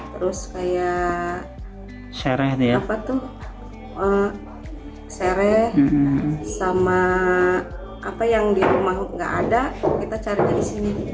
terus kayak sereh sama apa yang di rumah nggak ada kita cari dari sini